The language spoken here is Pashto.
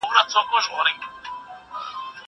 مينه وښيه؟!